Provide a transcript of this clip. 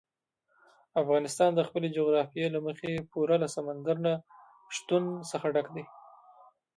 افغانستان د خپلې جغرافیې له مخې پوره له سمندر نه شتون څخه ډک دی.